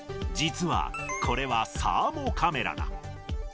実は、これはサーモカメラだ。